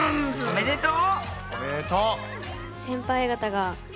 おめでとう！